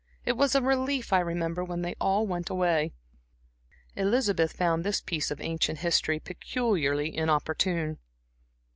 It was a relief, I remember, when they all went away." Elizabeth found this piece of ancient history peculiarly inopportune.